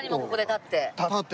立って。